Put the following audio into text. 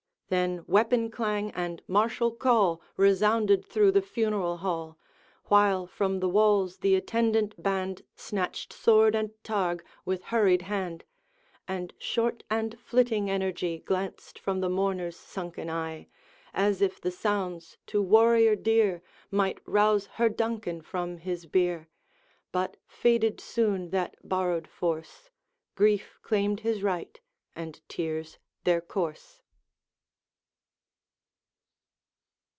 Then weapon clang and martial call Resounded through the funeral hall, While from the walls the attendant band Snatched sword and targe with hurried hand; And short and flitting energy Glanced from the mourner's sunken eye, As if the sounds to warrior dear Might rouse her Duncan from his bier. But faded soon that borrowed force; Grief claimed his right, and tears their course.